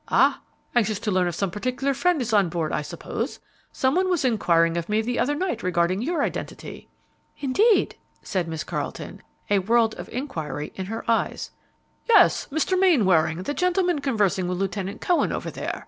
"Ah! anxious to learn if some particular friend is on board, I suppose. Some one was inquiring of me the other night regarding your identity." "Indeed!" said Miss Carleton, a world of inquiry in her eyes. "Yes; Mr. Mainwaring, the gentleman conversing with Lieutenant Cohen over there.